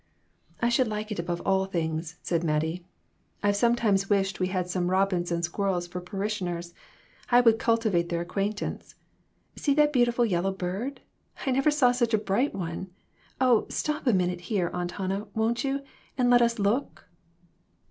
"I should like it above all things," said Mattie. "I've sometimes wished we had some robins and squirrels for parishioners. I would cultivate their acquaintance. See that beautiful yellow bird ! I never saw such a bright one. Oh, stop a minute here, Aunt Hannah, won't you, and let us look?"